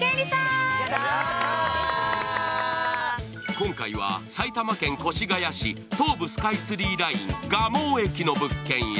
今回は埼玉県越谷市、東武スカイツリーライン蒲生駅の物件へ。